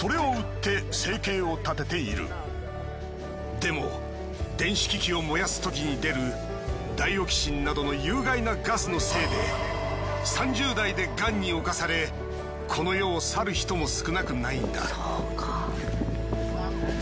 でも電子機器を燃やすときに出るダイオキシンなどの有害なガスのせいで３０代でがんに侵されこの世を去る人も少なくないんだ。